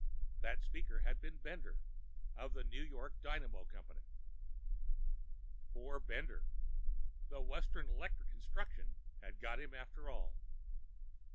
That speaker had been Bender, of the New York Dynamo Company. Poor Bender! The Western Electric Construction had got him after all.